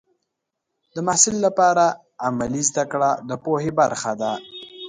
د محصل لپاره عملي زده کړه د پوهې برخه ده.